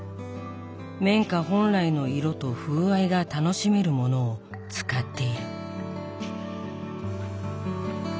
綿花本来の色と風合いが楽しめるものを使っている。